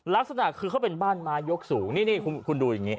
ลักษณะคือเขาเป็นบ้านไม้ยกสูงนี่นี่คุณดูอย่างนี้